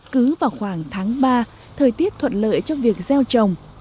cứ vào khoảng tháng ba thời tiết thuận lợi cho việc gieo trồng